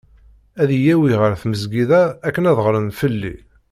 Ad iyi-yawi ɣer tmezgida akken ad ɣren fell-i.